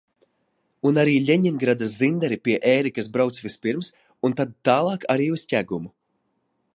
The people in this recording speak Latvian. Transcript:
Un arī Ļeņingradas Zinderi pie Ērikas brauc vispirms un tad tālāk arī uz Ķegumu.